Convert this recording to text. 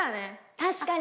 確かに。